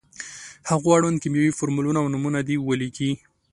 هغو اړوند کیمیاوي فورمولونه او نومونه دې ولیکي.